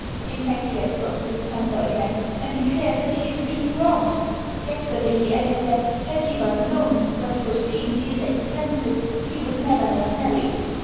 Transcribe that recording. In fact, he has lost his temper again, and declares that he is being robbed. Yesterday he added that, had he but known, but foreseen, these expenses, he would never have married.